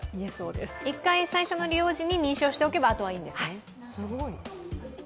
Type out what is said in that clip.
一回最初の利用時に認証しておけば、あとはいいんですね。